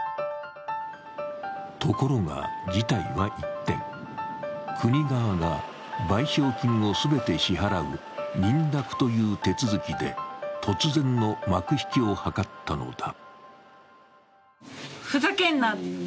ところが、事態は一転国側が賠償金を全て支払う認諾という手続きで突然の幕引きを図ったのだ。